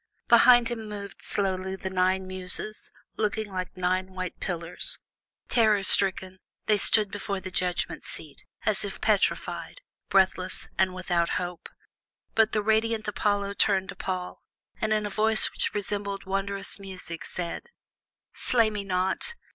Behind him moved slowly the nine Muses, looking like nine white pillars. Terror stricken, they stood before the judgment seat, as if petrified, breathless, and without hope; but the radiant Apollo turned to Paul, and, in a voice which resembled wondrous music, said: "Slay me not!